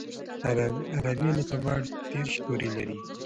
عربي الفبې دېرش توري لري.